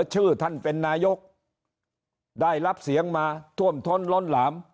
ชื่อท่านเป็นนายกได้รับเสียงมาท่วมท้นล้นหลาม